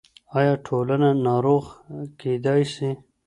آيا ټولنه ناروغه کيدای سي؟